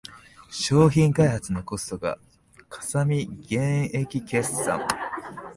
商品開発のコストがかさみ減益決算